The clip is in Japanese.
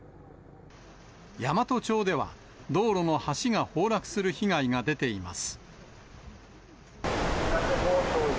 山都町では道路の橋が崩落する被害が出ています。